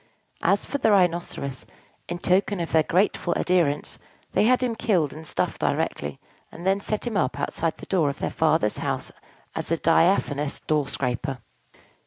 As for the Rhinoceros, in token of their grateful adherence, they had him killed and stuffed directly, and then set him up outside the door of their father's house as a diaphanous doorscraper.